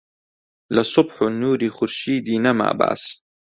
لە سوبح و نووری خورشیدی نەما باس